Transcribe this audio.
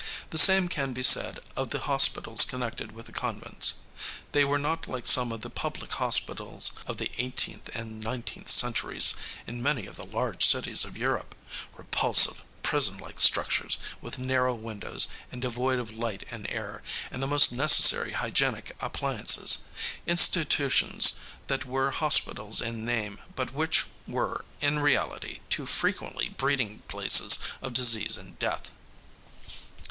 The same can be said of the hospitals connected with the convents. They were not like some of the public hospitals of the eighteenth and nineteenth centuries in many of the large cities of Europe repulsive, prison like structures, with narrow windows and devoid of light and air and the most necessary hygienic appliances institutions that were hospitals in name, but which were in reality too frequently breeding places of disease and death.